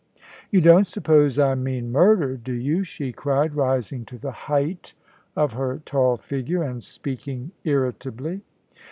"You don't suppose I mean murder, do you?" she cried, rising to the height of her tall figure and speaking irritably.